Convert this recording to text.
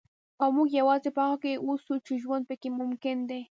او موږ یوازې په هغه کې اوسو چې ژوند پکې ممکن دی.